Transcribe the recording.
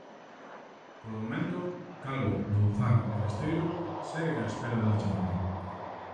Polo momento Calvo, Louzán e Besteiro seguen á espera da chamada.